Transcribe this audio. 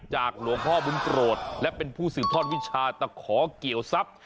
หลวงพ่อบุญโปรดและเป็นผู้สืบทอดวิชาตะขอเกี่ยวทรัพย์